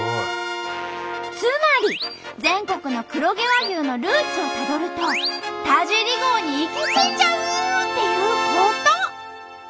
つまり全国の黒毛和牛のルーツをたどると田尻号に行き着いちゃうっていうこと！